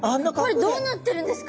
これどうなってるんですか？